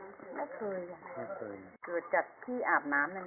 ไม่เคยอ่ะไม่เคยอ่ะเกิดจากที่อาบน้ำนั่นเนี้ย